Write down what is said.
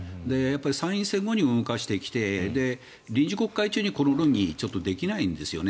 参院選後に動かしてきて臨時国会中にこの論議、できないんですよね。